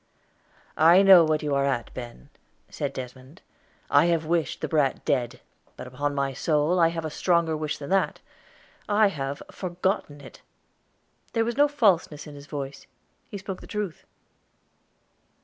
"I know what you are at, Ben," said Desmond. "I have wished the brat dead; but upon my soul, I have a stronger wish than that I have forgotten it." There was no falseness in his voice; he spoke the truth.